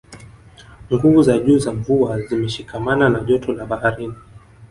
nguvu za juu za mvua zimeshikamana na joto la baharini